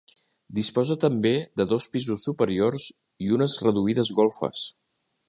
Disposa també de dos pisos superiors i unes reduïdes golfes.